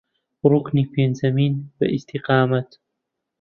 ڕوکنی پێنجەمین بە ئیستیقامەت